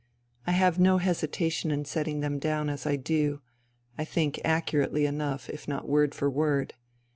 I have no hesitation in setting them down as I do, I think accurately enough, if not word for word.